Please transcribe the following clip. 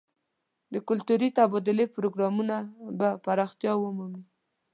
د کلتوري تبادلې پروګرامونه به پراختیا ومومي.